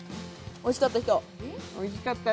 おいしかった人？